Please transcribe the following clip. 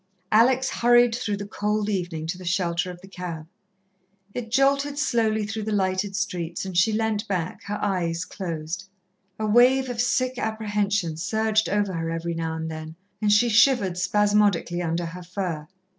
Alex hurried through the cold evening to the shelter of the cab. It jolted slowly through the lighted streets, and she leant back, her eyes closed. A wave of sick apprehension surged over her every now and then, and she shivered spasmodically under her fur.